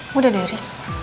mudah deh rik